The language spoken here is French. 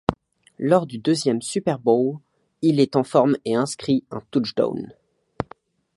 Lors du deuxième Super Bowl, il est en forme et inscrit un touchdown.